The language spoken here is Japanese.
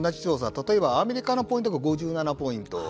例えばアメリカのポイントが５７ポイント。